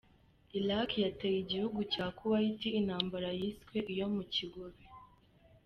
Iraq yateye igihugu cya Kuwait, intambara yiswe iyo mu kigobe.